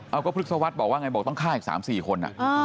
เออก็พฤษวรรษบอกว่าไงอีก๓๔คน